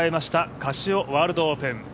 カシオワールドオープン。